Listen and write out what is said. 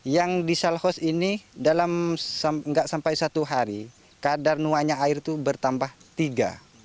yang di sal house ini dalam tidak sampai satu hari kadar nuannya air itu bertambah tiga